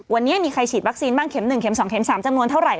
วันนี้มีใครฉีดวัคซีนบ้างเข็ม๑เม็ม๒เม็ม๓จำนวนเท่าไห